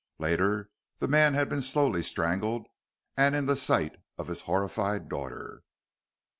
Later the man had been slowly strangled, and in the sight of his horrified daughter.